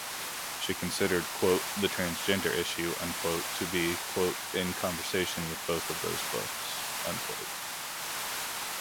She considered "The Transgender Issue" to be "in conversation with both of those books".